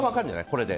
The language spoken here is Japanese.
これで。